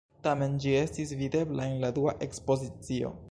Tamen ĝi estis videbla en la dua ekspozicio.